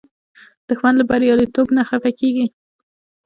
دښمن له بریالیتوب نه خفه کېږي